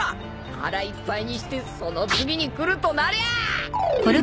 腹いっぱいにしてその次にくるとなりゃあ。